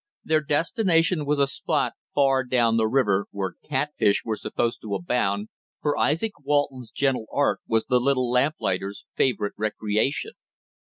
Their destination was a spot far down the river where catfish were supposed to abound, for Izaak Walton's gentle art was the little lamplighter's favorite recreation.